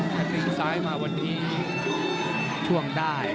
ถ้าตีนซ้ายมาวันนี้ช่วงได้